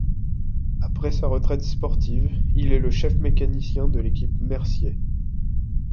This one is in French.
Après sa retraite sportive, il est le chef mécanicien de l'équipe Mercier.